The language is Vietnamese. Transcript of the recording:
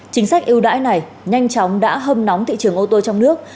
chính sách ưu đãi này nhanh chóng đã hâm nóng thị trường ô tô trong nước